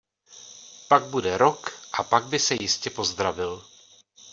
Pak bude rok a pak by se jistě pozdravil!